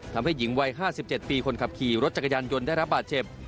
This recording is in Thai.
ทำให้หญิงวัย๕๗ปีคนขับขี่รถจักรยานยนต์ได้รับบาดเจ็บ